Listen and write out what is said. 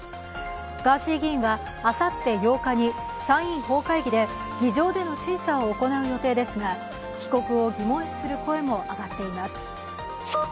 ガーシー議員はあさって８日に参院本会議で議場での陳謝を行う予定ですが、帰国を疑問視する声も上がっています。